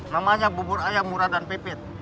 namanya bubur ayam murah dan pipit